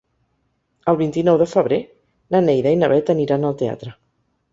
El vint-i-nou de febrer na Neida i na Bet aniran al teatre.